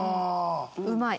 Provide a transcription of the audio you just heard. うまい。